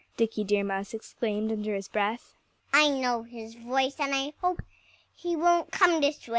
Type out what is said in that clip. Dickie Deer Mouse exclaimed under his breath. "I know his voice. And I hope he won't come this way!"